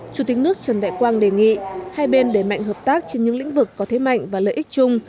chủ tịch nước trần đại quang đề nghị hai bên đẩy mạnh hợp tác trên những lĩnh vực có thế mạnh và lợi ích chung